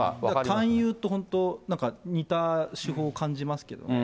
勧誘っていう、本当、なんか似た手法を感じますけどね。